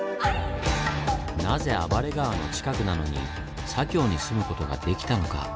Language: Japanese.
なぜ暴れ川の近くなのに左京に住むことができたのか？